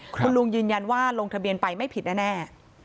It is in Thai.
คุณลุงยืนยันว่าลงทะเบียนไปไม่ผิดแน่